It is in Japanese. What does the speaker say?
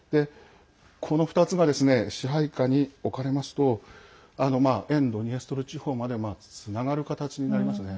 この２つが支配下に置かれますと沿ドニエストル地方までつながる形になりますね。